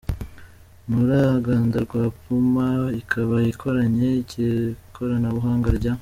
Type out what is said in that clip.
n’uruganda rwa Puma, ikaba ikoranye ikoranabuhanga rya